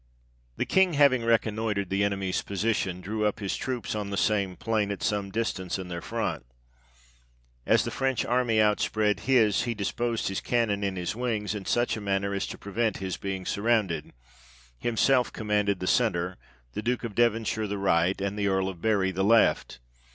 The King having reconnoitred the enemy's position, drew up his troops on the same plain, at some distance in their front. As the French army outspread his, he disposed his cannon in his wings, in such a manner as to prevent his being surrounded ; himself commanded the centre, the Duke of Devonshire the right, and the Earl of Bury the left.